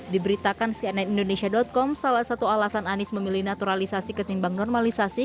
diberitakan cnn indonesia com salah satu alasan anies memilih naturalisasi ketimbang normalisasi